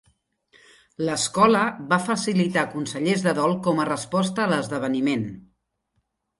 L'escola va facilitar consellers de dol com a resposta a l'esdeveniment.